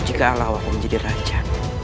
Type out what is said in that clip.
jika allah akan menjadi raja